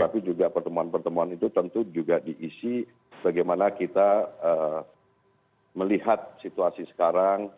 tapi juga pertemuan pertemuan itu tentu juga diisi bagaimana kita melihat situasi sekarang